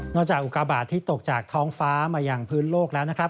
จากอุกาบาทที่ตกจากท้องฟ้ามาอย่างพื้นโลกแล้วนะครับ